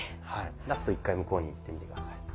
ラスト１回向こうにいってみて下さい。